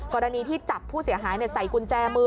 กรณีที่จับผู้เสียหายใส่กุญแจมือ